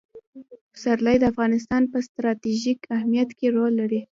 پسرلی د افغانستان په ستراتیژیک اهمیت کې رول لري.